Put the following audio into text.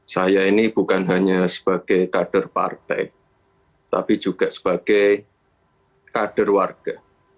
saya ini bukan hanya sebagai kader partai tapi juga sebagai kader warga